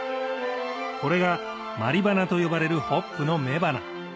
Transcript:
これが毬花と呼ばれるホップの雌花